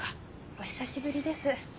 お久しぶりです。